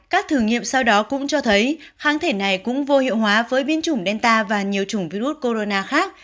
các thử nghiệm sau đó cũng cho thấy kháng thể này cũng vô hiệu hóa với biến chủng delta và nhiều chủng virus corona khác